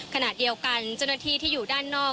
ขณะเดียวกันเจ้าหน้าที่ที่อยู่ด้านนอก